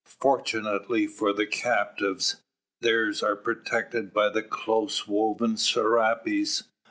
Fortunately for the captives, theirs are protected by the close woven serapes.